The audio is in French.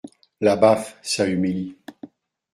La baffe, ça humilie.